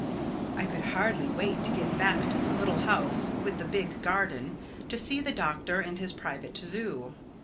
I could hardly wait to get back to the little house with the big garden—to see the Doctor and his private zoo.